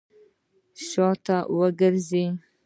شاته وګرځئ!